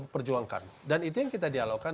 perjuangkan dan itu yang kita dialogkan